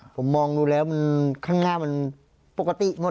ผมมองดูแล้วข้างหน้ามันปกติหมด